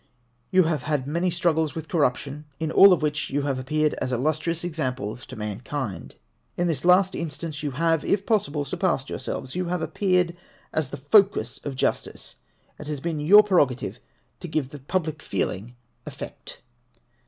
You have had many struggles with corruption, in all of which you have appeared as illustrious examples to mankind. In this last instance you have, if possible, surpassed yourselves ; you have appeared as the focus of justice ; it has been your prerogative to give the public feeling effect.